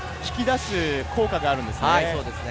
引き出す効果があるんですね。